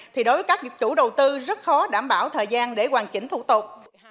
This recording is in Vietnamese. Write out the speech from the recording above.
thì đối với các chủ đầu tư rất khó đảm bảo thời gian để hoàn chỉnh thủ tục